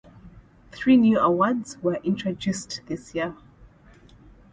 Three new awards were introduced this year.